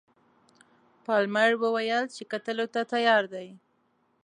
پالمر وویل چې کتلو ته تیار دی.